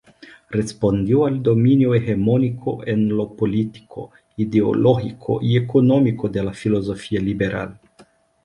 Respondió al dominio hegemónico en lo político, ideológico y económico de la filosofía liberal.